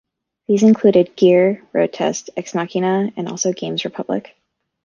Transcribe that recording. These included "Gear", "Roadtest", "ExMachina" and also "Games Republic".